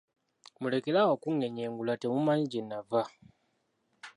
Mulekere awo okungeyengula temumanyi gye nnavva.